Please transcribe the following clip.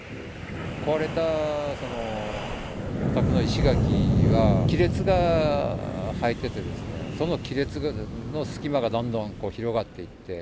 壊れたお宅の石垣は、亀裂が入っててですね、その亀裂の隙間がだんだん広がっていって。